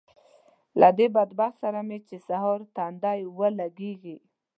له دې بدبخت سره مې چې سهار تندی ولګېږي